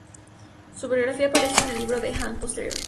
Su biografía aparece en el Libro de Han Posterior.